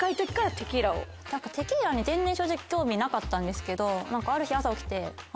テキーラに全然正直興味なかったんですけどある日。